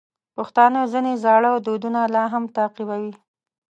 پښتانه ځینې زاړه دودونه لا هم تعقیبوي.